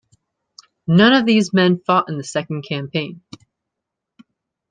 None of these men fought in the second campaign.